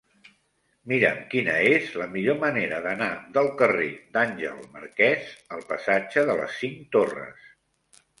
Mira'm quina és la millor manera d'anar del carrer d'Àngel Marquès al passatge de les Cinc Torres.